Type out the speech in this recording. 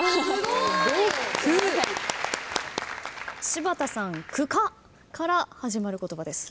柴田さん「くか」から始まる言葉です。